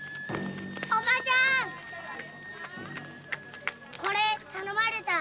おばちゃんこれ頼まれた。